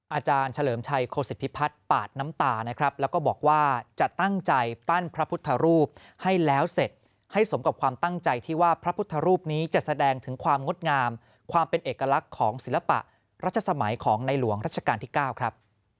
อาจารย์เฉลิมชัยโคศิพิพัฒน์ปาดน้ำตานะครับแล้วก็บอกว่าจะตั้งใจปั้นพระพุทธรูปให้แล้วเสร็จให้สมกับความตั้งใจที่ว่าพระพุทธรูปนี้จะแสดงถึงความงดงามความเป็นเอกลักษณ์ของศิลปะรัชสมัยของในหลวงรัชกาลที่๙ครับ